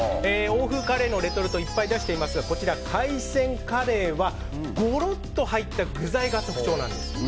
欧風カレーのレトルトはいっぱい出ていますが海鮮カレーはゴロッと入った具材が特徴です。